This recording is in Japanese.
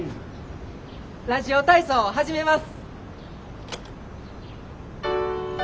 ラジオ体操始めます！